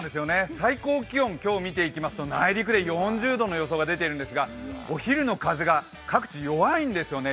最高気温今日、見ていきますと内陸で４０度の予想が出ているんですがお昼の風が各地、弱いんですよね。